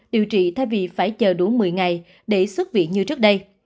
điều trị thay vì phải chờ đủ một mươi ngày để xuất viện như trước đây